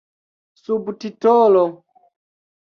subtitolo